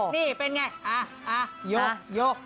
นี่เป็นไงอะอะยกยก